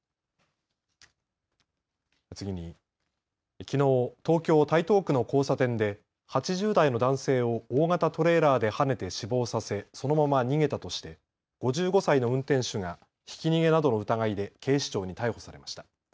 次に、きのう東京台東区の交差点で８０代の男性を大型トレーラーではねて死亡させそのまま逃げたとして５５歳の運転手がひき逃げなどの疑いで警視庁に逮捕されました。